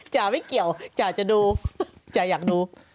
จ๋าไม่เกี่ยวจ๋าจะดูจ๋าอยากดู